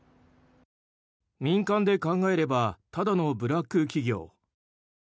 民間で考えればただのブラック企業。